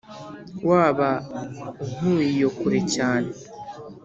waba unkuye iyo kure cyane.